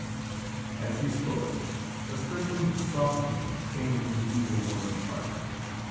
As she spoke, a strange softening came into the evil woman's heart.